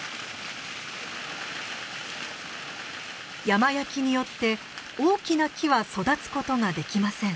山焼きによって大きな木は育つことができません。